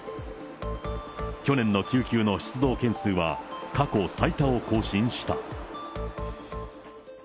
去年の救急の出動件数は過去最多を更新した。